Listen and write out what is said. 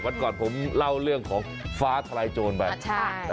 วันก่อนผมเล่าเรื่องของฟ้าทลายโจรไปใช่